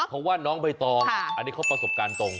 เพราะว่าน้องใบตองอันนี้เขาประสบการณ์ตรง